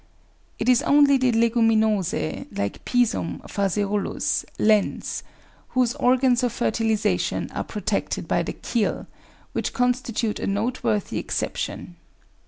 It is only the Leguminosae, like Pisum, Phaseolus, 1 Lens, whose organs of fertilisation are pro tected by the keel, which constitute a noteworthy exception.